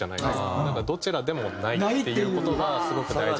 どちらでもないっていう事がすごく大事。